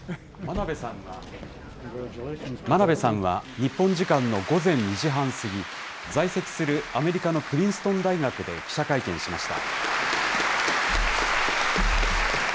真鍋さんは日本時間の午前２時半過ぎ、在籍するアメリカのプリンストン大学で記者会見しました。